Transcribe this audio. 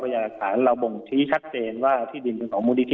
พญาตรักษาเราบ่งทิชัดเจนว่าที่ดินเป็นของมูลนิธิ